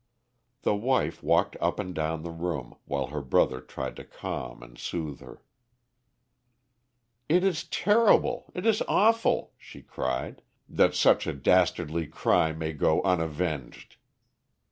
The wife walked up and down the room, while her brother tried to calm and soothe her. "It is terrible it is awful!" she cried, "that such a dastardly crime may go unavenged!"